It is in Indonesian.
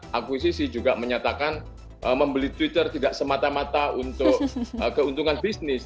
akuisisi juga menyatakan membeli twitter tidak semata mata untuk keuntungan bisnis